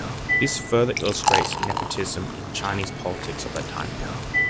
This further illustrates nepotism in Chinese politics of that time.